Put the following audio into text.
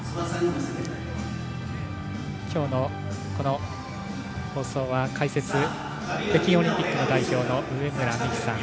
きょうの、この放送は解説、北京オリンピックの代表の上村美揮さん。